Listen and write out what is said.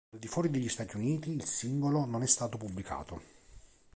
Al di fuori degli Stati Uniti il singolo non è stato pubblicato.